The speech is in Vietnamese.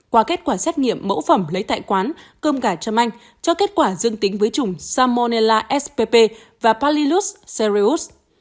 qua kết quả xét nghiệm mẫu phẩm lấy tại quán cơm gà trâm anh cho kết quả dương tính với chủng salmonella spp và palilus serius